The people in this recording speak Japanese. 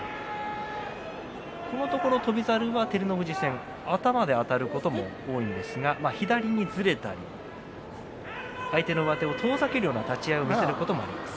このところ翔猿は照ノ富士戦頭であたることも多いんですが左にずれたり、相手の上手を遠ざけるような立ち合いを見せたこともあります。